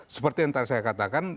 seperti yang tadi saya katakan